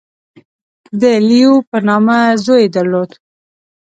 • د لیو په نامه زوی یې درلود.